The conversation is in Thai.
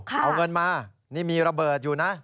เอาเงินมานี่มีระเบิดอยู่นะ